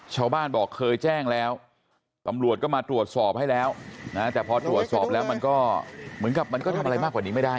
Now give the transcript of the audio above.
ชาวบ้านบอกเคยแจ้งแล้วตำรวจก็มาตรวจสอบให้แล้วนะแต่พอตรวจสอบแล้วมันก็เหมือนกับมันก็ทำอะไรมากกว่านี้ไม่ได้